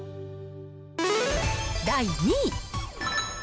第２位。